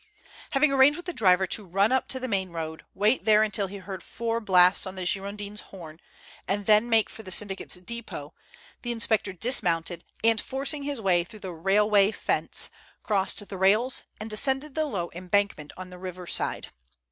Having arranged with the driver to run up to the main road, wait there until he heard four blasts on the Girondin's horn, and then make for the syndicate's depot, the inspector dismounted, and forcing his way through the railway fence, crossed the rails and descended the low embankment on the river side.